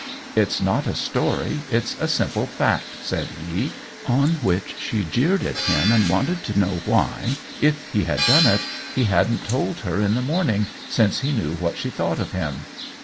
*It's not a story — it's a simple fact,' said he ; on which she jeered at him and wanted to know why, if he had done it, he hadn't told her in the morning, since he knew what she thought of him.